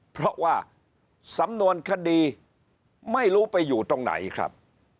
เพราะว่าสำนวนคดีไม่รู้ไปอยู่ตรงไหนครับ